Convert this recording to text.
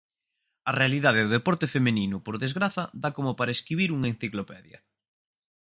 A realidade do deporte feminino, por desgraza, dá como para escribir unha enciclopedia.